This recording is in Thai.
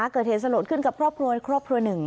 เกิดเหตุสะโหลดขึ้นกับครอบครัวครอบครัวหนึ่ง